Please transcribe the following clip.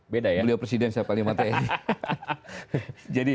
beliau presiden siapa yang matanya